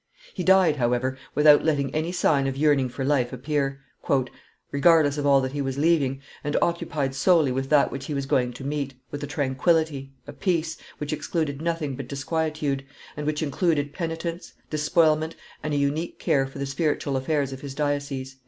He died, however, without letting any sign of yearning for life appear, "regardless of all that he was leaving, and occupied solely with that which he was going to meet, with a tranquillity, a peace, which excluded nothing but disquietude, and which included penitence, despoilment, and a unique care for the spiritual affairs of his diocese."